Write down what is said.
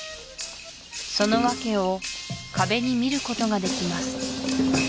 その訳を壁に見ることができます